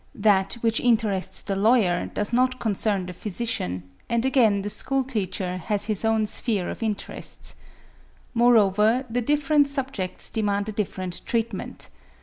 That which interests the lawyer does not concern the physician, and again the school teacher has his own sphere of interests. Moreover the different subjects demand a different treatment.